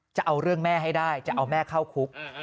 จะเอาเรื่องแม่ให้ได้จะเอาแม่เข้าคุก